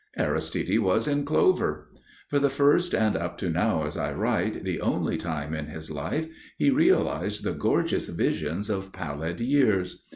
Aristide was in clover. For the first, and up to now as I write, the only, time in his life he realized the gorgeous visions of pallid years.